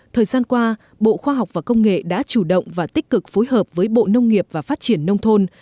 thời gian qua bộ khoa học và công nghệ đã chủ động và tích cực phối hợp với bộ nông nghiệp và phát triển nông thôn